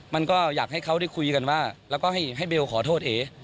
มันก็อยากให้เขาได้คุยกันว่าแล้วก็ให้เบลขอโทษเอ